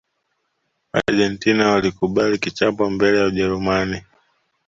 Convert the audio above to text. argentina walikubali kichapo mbele ya ujerumani